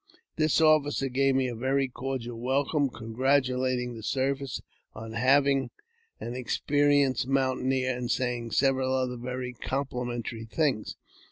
This officer gave me a very cordial welcome, congratulating the service on having an experienced mountaineer, and saying several other very complimentary things.